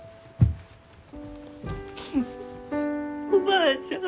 おばあちゃん。